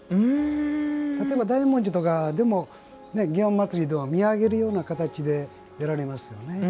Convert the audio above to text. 例えば大文字とかでも祇園祭でも見上げるような形でやられますよね。